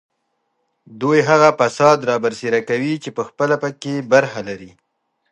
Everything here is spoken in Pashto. دوی هغه فساد رابرسېره کوي چې پخپله په کې برخه لري